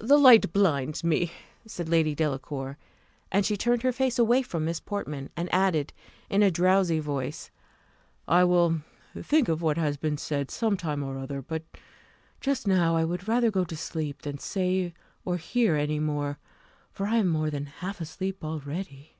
"The light blinds me," said Lady Delacour; and she turned her face away from Miss Portman, and added, in a drowsy voice, "I will think of what has been said some time or other: but just now I would rather go to sleep than say or hear any more; for I am more than half asleep already."